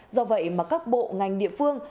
do vậy mà các bộ ngành địa phương